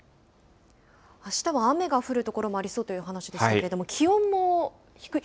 あしたは雨が降る所もありそうという話でしたけれども、気温も低い。